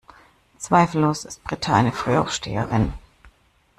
Zweifellos ist Britta eine Frühaufsteherin.